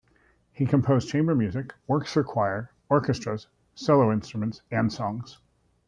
He composed chamber music, works for choir, orchestra and solo instruments, and songs.